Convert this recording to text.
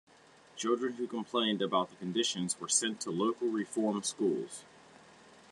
Children who complained about the conditions were sent to local reform schools.